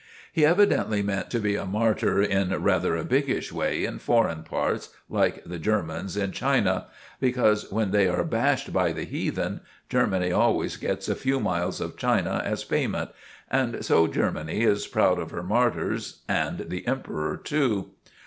He evidently meant to be a martyr in rather a biggish way in foreign parts, like the Germans in China; because when they are bashed by the heathen, Germany always gets a few miles of China as payment. And so Germany is proud of her martyrs, and the Emperor too.